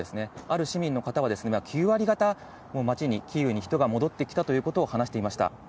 ある市民の方は、９割方、街に、キーウに人が戻ってきたということを話していました。